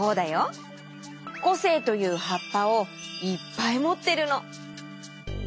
こせいというはっぱをいっぱいもってるの。